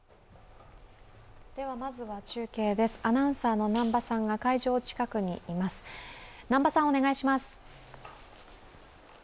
まずは中継です、アナウンサーの南波さんが会場近くにいます。